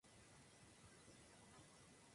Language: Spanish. La taifa era un reino medieval moro.